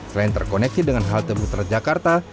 selain terkoneksi dengan halte bus transjakarta